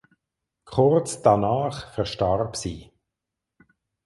Kurz danach verstarb sie.